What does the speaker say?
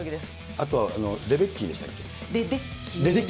あとレデッキーでしたっけ？